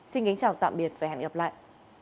xin kính chào tạm biệt và hẹn gặp lại